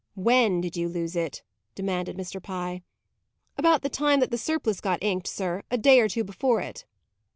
"When did you lose it?" demanded Mr. Pye. "About the time that the surplice got inked, sir; a day or two before it."